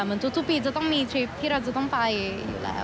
เหมือนทุกปีจะต้องมีทริปที่เราจะต้องไปอยู่แล้ว